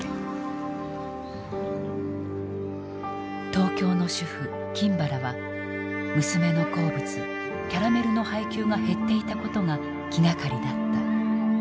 東京の主婦金原は娘の好物キャラメルの配給が減っていたことが気がかりだった。